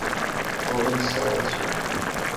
O lençol azul.